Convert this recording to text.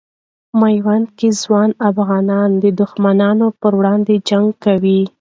میوند کې ځوان افغانان د دښمن پر وړاندې جنګ کوي.